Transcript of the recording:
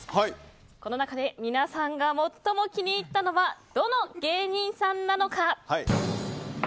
この中で皆さんが最も気に入ったのはどの芸人さんなのか。